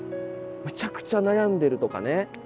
めちゃくちゃ悩んでるとかね。